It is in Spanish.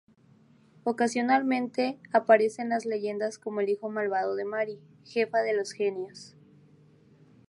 Ocasionalmente, aparece en las leyendas como hijo malvado de Mari, jefa de los genios.